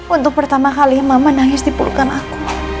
untuk pertama kali mama nangis di pelukan aku